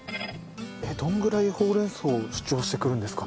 どのぐらいほうれん草主張してくるんですかね？